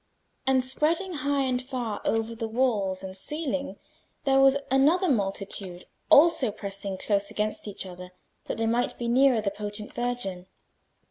And spreading high and far over the walls and ceiling there was another multitude, also pressing close against each other, that they might be nearer the potent Virgin.